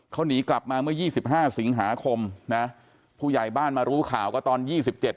เขาหนีกลับมาเมื่อยี่สิบห้าสิงหาคมนะผู้ใหญ่บ้านมารู้ข่าวก็ตอนยี่สิบเจ็ด